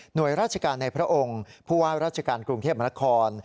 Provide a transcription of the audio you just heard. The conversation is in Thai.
โดยราชการในพระองค์ผู้ว่าราชการกรุงเทพมนคร